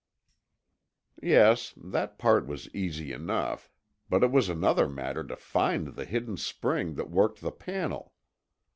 Yes, that part was easy enough, but it was another matter to find the hidden spring that worked the panel.